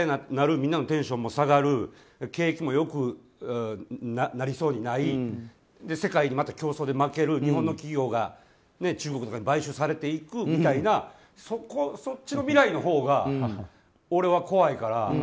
みんなのテンションも下がる景気も良くなりそうにない世界にまた競争で負ける日本の企業が中国とかに買収されていくとかみたいなそっちの未来のほうが俺は怖いから。